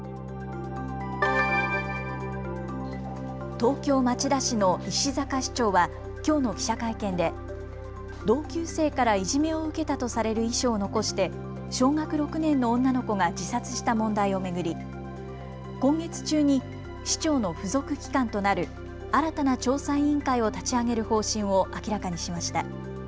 東京町田市の石阪市長はきょうの記者会見で同級生からいじめを受けたとされる遺書を残して小学６年の女の子が自殺した問題を巡り今月中に市長の付属機関となる新たな調査委員会を立ち上げる方針を明らかにしました。